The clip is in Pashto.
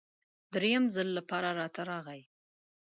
دریم ځل لپاره راته راغی.